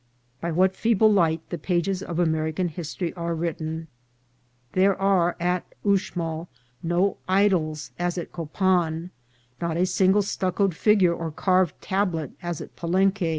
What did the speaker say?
By what feeble light the pages of American history are written ! There are at Uxmal no " idols," as at Copan ; not a single stuc coed figure or carved tablet, as at Palenque.